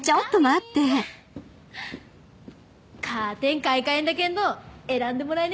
カーテン買い替えんだけんど選んでもらえねえか？